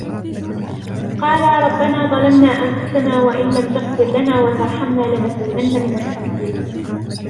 قَالَا رَبَّنَا ظَلَمْنَا أَنْفُسَنَا وَإِنْ لَمْ تَغْفِرْ لَنَا وَتَرْحَمْنَا لَنَكُونَنَّ مِنَ الْخَاسِرِينَ